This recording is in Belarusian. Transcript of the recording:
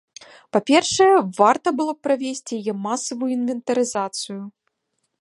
Па-першае, варта было б правесці яе масавую інвентарызацыю.